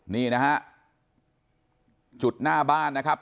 นี่นะฮะจุดหน้าบ้านนะครับ